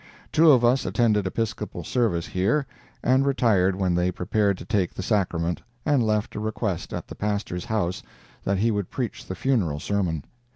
Two of us attended Episcopal service here, and retired when they prepared to take the sacrament, and left a request at the pastor's house that he would preach the funeral sermon.